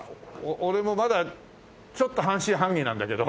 俺もまだちょっと半信半疑なんだけどフフフ。